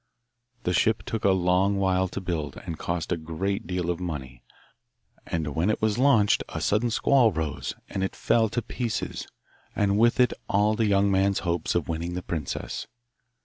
The ship took a long while to build, and cost a great deal of money, and when it was launched a sudden squall rose, and it fell to pieces, and with it all the young man's hopes of winning the princess.